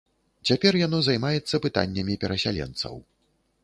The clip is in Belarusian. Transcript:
Цяпер яно займаецца пытаннямі перасяленцаў.